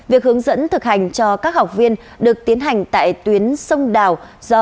việc hướng dẫn thực hành cho các học viên được tiến hành tại tuyến sông đào do